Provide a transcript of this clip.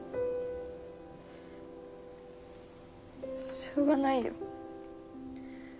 しょうがないよ。